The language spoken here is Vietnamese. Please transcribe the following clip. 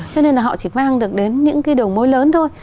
cho nên là họ chỉ mang được đến những cái đầu mối lớn thôi